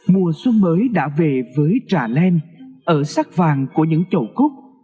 mùa xuân mới đã về với trà len ở sắc vàng của những chậu cúc